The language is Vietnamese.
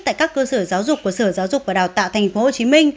tại các cơ sở giáo dục của sở giáo dục và đào tạo tp hcm